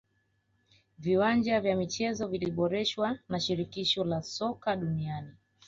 viwanja vya michezo viliboreshwa na shirikisho la soka duniani